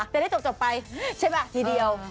จะได้จบไปใช่ป่ะทีเดียว